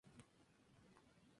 nosotros bebíamos